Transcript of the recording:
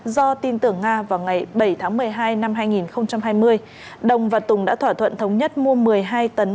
do tin tưởng nga vào ngày bảy tháng một mươi hai năm hai nghìn hai mươi đồng và tùng đã thỏa thuận thống nhất mua một mươi hai tấn